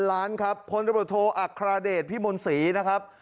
๑๐๐๐ล้านครับพนธบทอัคลาเดทพี่มนศรีนะครับ